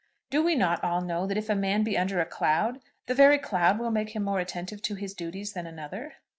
Do we not all know that if a man be under a cloud the very cloud will make him more attentive to his duties than another?